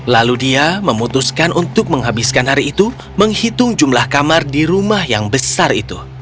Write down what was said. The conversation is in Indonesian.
lalu dia memutuskan untuk menghabiskan hari itu menghitung jumlah kamar di rumah yang besar itu